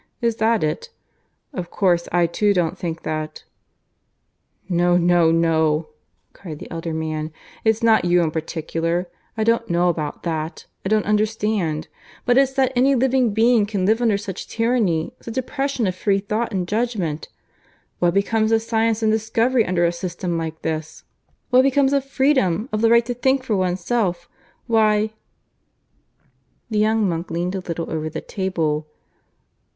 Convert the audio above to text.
Is that it? Of course I too don't think that " "No, no, no," cried the elder man. "It's not you in particular. I don't know about that I don't understand. But it's that any living being can live under such tyranny such oppression of free thought and judgment! What becomes of science and discovery under a system like this? What becomes of freedom of the right to think for oneself? Why " The young monk leaned a little over the table.